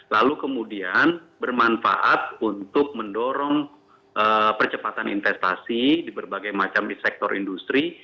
lalu kemudian bermanfaat untuk mendorong percepatan investasi di berbagai macam di sektor industri